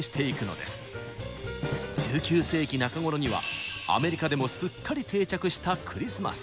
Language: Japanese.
１９世紀中頃にはアメリカでもすっかり定着したクリスマス。